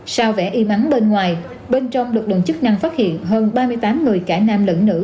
sao vẻ im ắn bên ngoài bên trong được đồng chức năng phát hiện hơn ba mươi tám người cả nam lẫn nữ